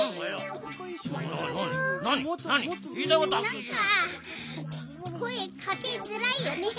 なんかこえかけづらいよね。